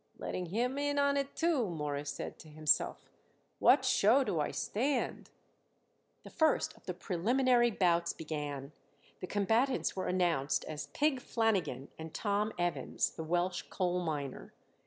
"Letting him in on it, too," Morris said to himself. "What show do I stand?" The first of the preliminary bouts began. The combatants were announced as Pig Flanagan and Tom Evans, the Welsh coal miner.